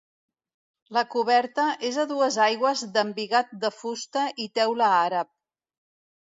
La coberta és a dues aigües d'embigat de fusta i teula àrab.